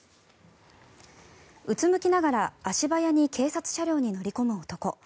うつむきながら足早に警察車両に乗り込む男。